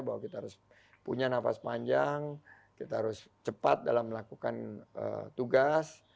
bahwa kita harus punya nafas panjang kita harus cepat dalam melakukan tugas